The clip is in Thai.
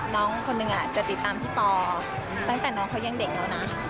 น้องคนหนึ่งจะติดตามพี่ปอตั้งแต่น้องเขายังเด็กแล้วนะ